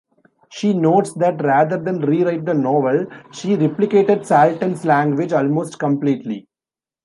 She notes that rather than rewrite the novel, she replicated Salten's language almost completely.